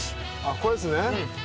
これですね。